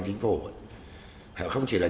chính phủ họ không chỉ là